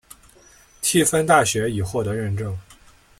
蒂芬大学已获得认证。